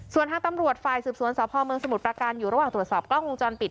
ส่วนทางตำรวจฝ่ายสืบสวนสพเมืองสมุทรประการอยู่ระหว่างตรวจสอบกล้องวงจรปิด